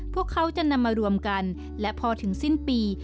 พวกเขาจะนำมารวมกันและพอถึงสิ้นปี